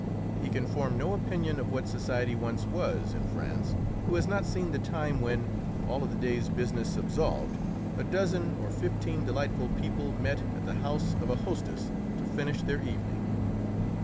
He can form no opinion of what society once was in France who has not seen the time when, all of the day's business absolved, a dozen or fifteen delightful people met at the house of a hostess to finish their evening.